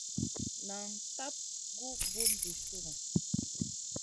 Nan tab gu bùn zi sùn.